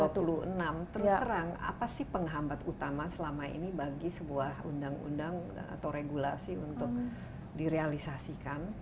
terus terang apa sih penghambat utama selama ini bagi sebuah undang undang atau regulasi untuk direalisasikan